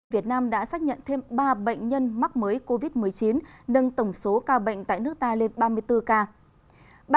việt nam đã xác nhận thêm ba bệnh nhân mắc mới covid một mươi chín nâng tổng số ca bệnh tại nước ta lên ba mươi bốn ca